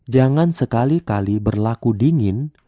jangan sekali kali berlaku dingin